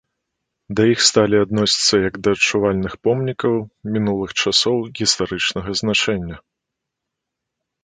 Да іх сталі адносіцца як да адчувальных помнікаў мінулых часоў гістарычнага значэння.